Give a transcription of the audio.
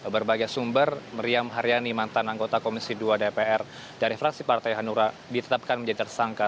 berbagai sumber meriam haryani mantan anggota komisi dua dpr dari fraksi partai hanura ditetapkan menjadi tersangka